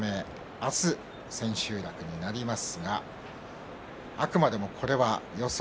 明日、千秋楽になりますがあくまでもこれは予想。